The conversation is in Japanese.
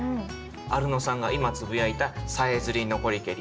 アルノさんが今つぶやいた「さえずり残りけり」